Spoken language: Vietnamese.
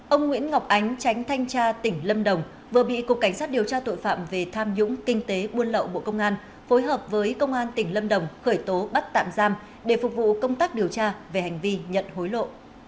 ông nguyễn ngọc ánh tránh thanh tra tỉnh lâm đồng vừa bị cục cảnh sát điều tra tội phạm về tham nhũng kinh tế buôn lậu bộ công an phối hợp với công an tỉnh lâm đồng khởi tố bắt tạm giam để phục vụ công tác điều tra về hành vi nhận hối lộ